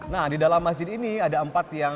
nah di dalam masjid ini ada empat yang